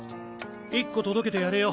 １個届けてやれよ